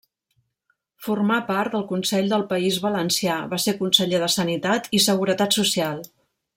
Formà part del Consell del País Valencià, va ser Conseller de Sanitat i Seguretat Social.